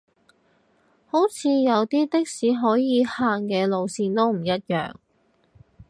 好似有啲的士可以行嘅路都唔一樣